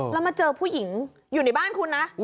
แล้วมาเจอผู้หญิงอยู่ในบ้านคุณนะ